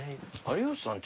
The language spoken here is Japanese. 有吉さん